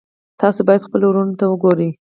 تاسو باید خپلو وروڼو ته وګورئ.